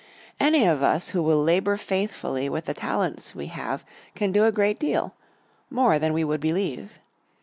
Any of us who will labor faithfully with the talents we have can do a great deal more than we would believe.